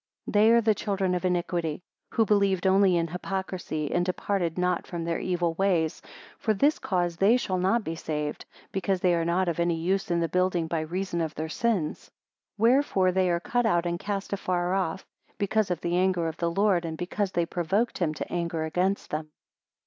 62 They are the children of iniquity, who believed only in hypocrisy, and departed not from their evil ways; for this cause they shall not be saved, because they are not of any use in the building by reason of their sins. 63 Wherefore they are cut out, and cast afar off, because of the anger of the Lord, and because they have provoked him to anger against them.